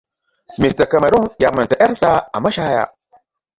Mr. Cameron ya manta ƴarsa a mashaya.